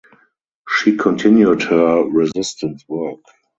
She continued her resistance work.